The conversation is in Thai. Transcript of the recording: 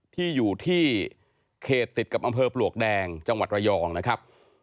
ที่อยู่ที่เขตติดกับอำเภอปลวกแดงจังหวัดระยองนะครับ